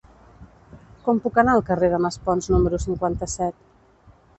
Com puc anar al carrer de Maspons número cinquanta-set?